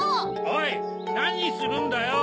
おいなにするんだよ！